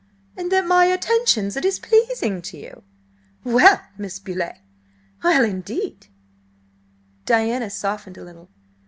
"And that my attentions are displeasing to you! Well, Miss Beauleigh! Well, indeed!" Diana softened a little.